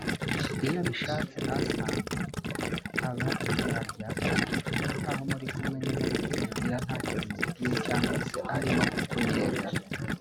Iyo abishatse Arthur aba indyarya akifata nkaho muri kumwe nyamara ibyo umubwira ntacyo bimubwiye cyangwa se arimo kukunnyega